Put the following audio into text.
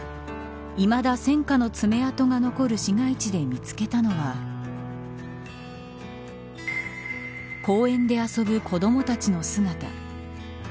いまだ戦火の爪痕が残る市街地で見つけたのは公園で遊ぶ子どもたちの姿。